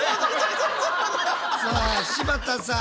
さあ柴田さん。